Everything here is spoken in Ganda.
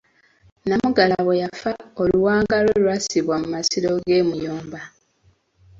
Namugala bwe yafa oluwanga lwe lwassibwa mu masiro ge e Muyomba.